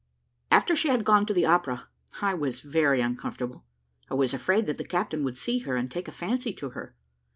After she had gone to the opera, I was very uncomfortable: I was afraid that the captain would see her, and take a fancy to her.